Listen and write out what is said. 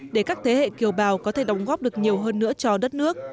để các thế hệ kiều bào có thể đóng góp được nhiều hơn nữa cho đất nước